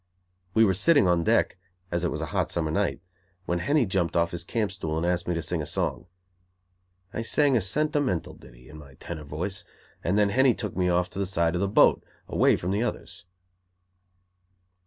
We were sitting on deck, as it was a hot summer night, when Henny jumped off his camp stool and asked me to sing a song. I sang a sentimental ditty, in my tenor voice, and then Henny took me to the side of the boat, away from the others.